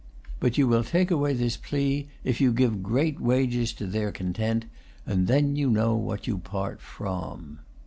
But you will take away this plea if you give great wages to their content; and then you know what you part from."